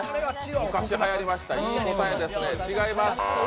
昔はやりました、いい答えですね。